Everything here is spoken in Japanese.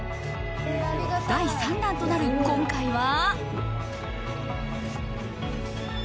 第３弾となる今回は。